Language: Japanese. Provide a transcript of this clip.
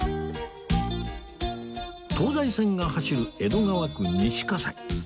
東西線が走る江戸川区西葛西